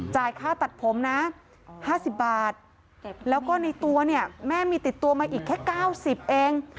ค่าตัดผมนะ๕๐บาทแล้วก็ในตัวเนี่ยแม่มีติดตัวมาอีกแค่๙๐เอง